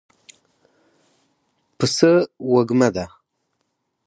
پسه وږمه ده.